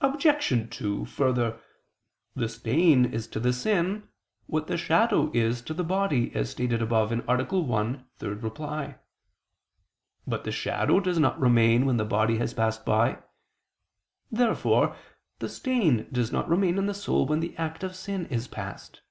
Obj. 2: Further, the stain is to the sin what the shadow is to the body, as stated above (A. 1, ad 3). But the shadow does not remain when the body has passed by. Therefore the stain does not remain in the soul when the act of sin is past.